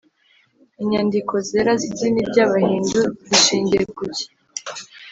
inyandiko zera z’idini ry’abahindu zishingiye ku ki?